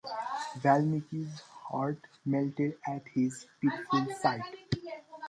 Valmiki's heart melted at this pitiful sight.